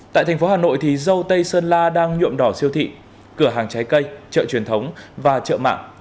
tại thành phố hà nội dâu tây sơn la đang nhuộm đỏ siêu thị cửa hàng trái cây chợ truyền thống và chợ mạng